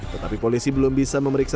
tetapi polisi belum bisa memeriksa